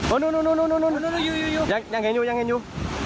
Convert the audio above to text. โอ้นู่นู่อยู่ยังเห็นอยู่